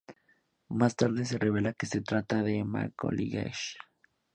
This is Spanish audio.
Más tarde se revela que se trata de Emma Coolidge.